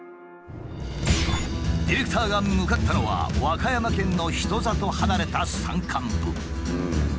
ディレクターが向かったのは和歌山県の人里離れた山間部。